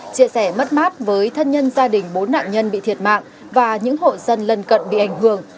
chia sẻ mất mát với thân nhân gia đình bốn nạn nhân bị thiệt mạng và những hộ dân lân cận bị ảnh hưởng